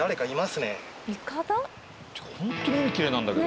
ホントに海きれいなんだけど。